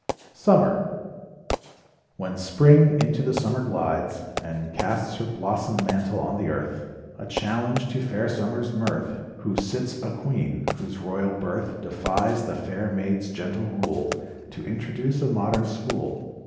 SUMMER When spring into the summer glides And casts her blossom mantle on the earth, A challenge to fair Summer's mirth, Who sits a queen, whose royal birth Defies the fair maids gentle rule, To introduce a modern school.